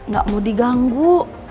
gak mau diganggu